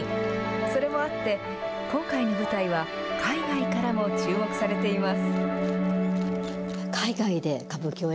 それもあって、今回の舞台は海外からも注目されています。